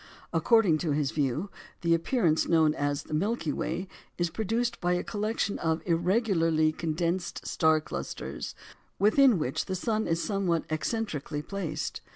According to his view, the appearance known as the Milky Way is produced by a collection of irregularly condensed star clusters, within which the sun is somewhat eccentrically placed.